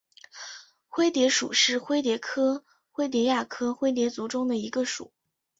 灰蝶属是灰蝶科灰蝶亚科灰蝶族中的一个属。